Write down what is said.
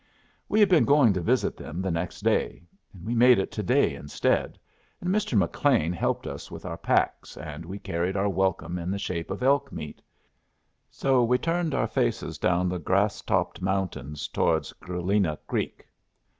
We had been going to visit them the next day. We made it to day, instead. And Mr. McLean helped us with our packs, and we carried our welcome in the shape of elk meat. So we turned our faces down the grass topped mountains towards Galena Creek.